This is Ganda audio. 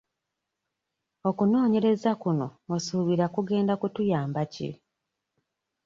Okunoonyereza kuno osuubira kugenda kutuyamba ki?